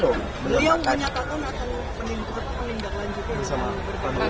belum nyatakan atau peningkatan paling gak lanjutin